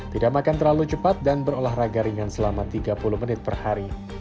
tidak makan terlalu cepat dan berolahraga ringan selama tiga puluh menit per hari